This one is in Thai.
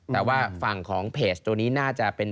แต่ว่าฝั่งของเพจตัวนี้น่าจะเป็น